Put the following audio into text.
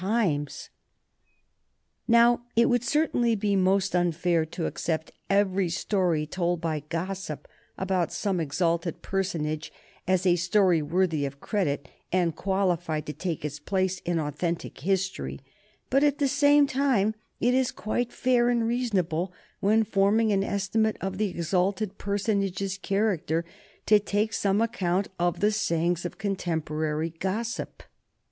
[Sidenote: 1830 37 Some strange doings of the King] Now it would certainly be most unfair to accept every story told by gossip about some exalted personage as a story worthy of credit and qualified to take its place in authentic history, but, at the same time, it is quite fair and reasonable when forming an estimate of the exalted personage's character to take some account of the sayings of contemporary gossip.